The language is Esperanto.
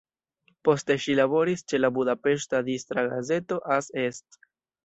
Poste ŝi laboris ĉe la budapeŝta distra gazeto "Az Est".